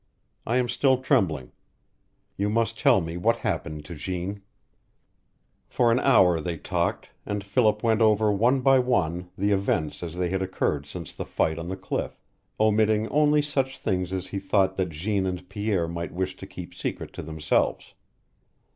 I am still trembling. You must tell me what happened to Jeanne." For an hour they talked, and Philip went over one by one the events as they had occurred since the fight on the cliff, omitting only such things as he thought that Jeanne and Pierre might wish to keep secret to themselves.